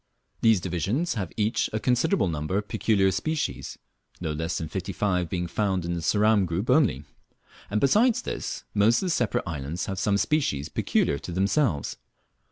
These divisions have each a considerable number of peculiar species, no less than fifty five being found in the Ceram group only; and besides this, most of the separate islands have some species peculiar to themselves.